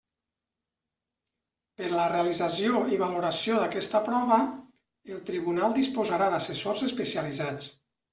Per a la realització i valoració d'aquesta prova el Tribunal disposarà d'assessors especialitzats.